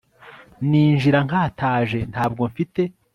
ninjira nkataje ntabwo mfite